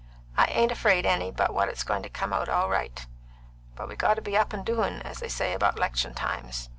I ain't afraid any but what it's goin' to come out all right. But we got to be up and doin', as they say about 'lection times.